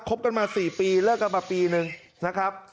บกันมา๔ปีเลิกกันมาปีนึงนะครับ